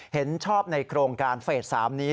เห็นชอบในโครงการเฟส๓นี้